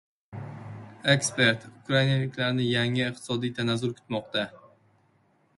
Ekspert: “Ukrainaliklarni yangi iqtisodiy tanazzul kutmoqda”